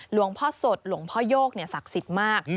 หลวงพ่อสดหลวงพ่อโยกศักดิ์สิทธิ์มาก